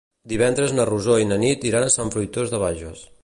Divendres na Rosó i na Nit iran a Sant Fruitós de Bages.